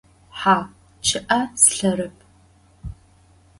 Hau, ççı'e sılh'erep.